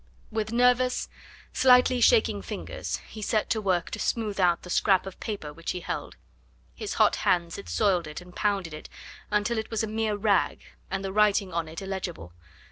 With nervous, slightly shaking fingers he set to work to smooth out the scrap of paper which he held. His hot hands had soiled it and pounded it until it was a mere rag and the writing on it illegible.